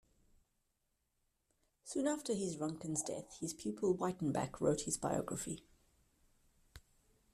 Soon after his Ruhnken's death, his pupil Wyttenbach wrote his biography.